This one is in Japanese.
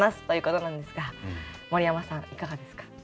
ということなんですが森山さんいかがですか。